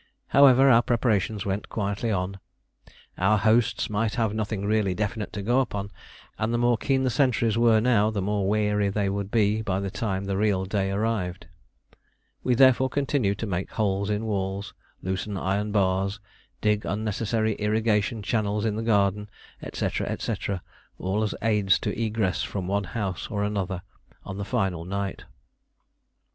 However, our preparations went quietly on; our "hosts" might have nothing really definite to go upon, and the more keen the sentries were now, the more weary they would be by the time the real day arrived. We therefore continued to make holes in walls, loosen iron bars, dig unnecessary irrigation channels in the garden, &c., &c., all as aids to egress from one house or another on the final night.